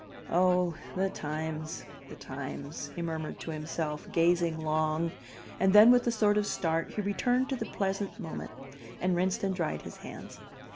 "Oh, the times, the times!" he murmured to himself, gazing long; and then with a sort of start he returned to the present moment, and rinsed and dried his hands.